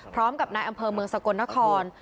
พร้อมกับนายอำเภอเมืองสกลนคร